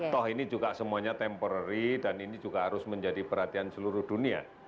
toh ini juga semuanya temporary dan ini juga harus menjadi perhatian seluruh dunia